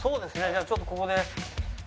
じゃあちょっとここで。